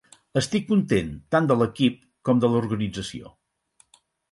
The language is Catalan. Estic content tant de l'equip com de l'organització.